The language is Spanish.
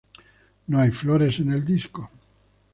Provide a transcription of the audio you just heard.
No hay flores en el disco.